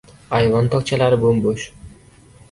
Ayvon tokchalari bo‘m-bo‘sh.